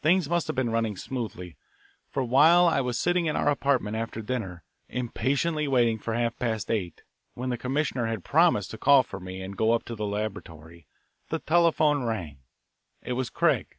Things must have been running smoothly, for while I was sitting in our apartment after dinner, impatiently waiting for half past eight, when the commissioner had promised to call for me and go up to the laboratory, the telephone rang. It was Craig.